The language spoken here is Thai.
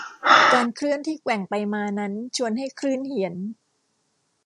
การเคลื่อนที่แกว่งไปมานั้นชวนให้คลื่นเหียน